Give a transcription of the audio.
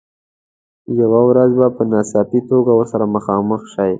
یوه ورځ به په ناڅاپي توګه ورسره مخ شئ.